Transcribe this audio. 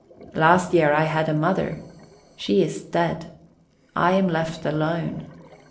Last year I had a mother; she is dead. I am left alone.